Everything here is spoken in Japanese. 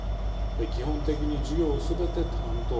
基本的に授業をすべて担当。